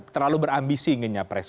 terlalu berambisi inginnya pres